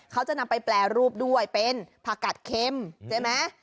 เขาจะนำไปแปรรูปด้วยเป็นผักกัดเค็มใช่ไหม